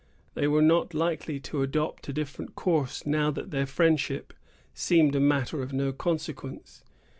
They were not likely to adopt a different course now that their friendship seemed a matter of no consequence.